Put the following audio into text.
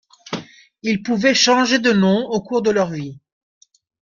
Ils pouvaient changer de nom au cours de leur vie.